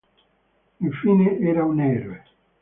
Infine era un eroe.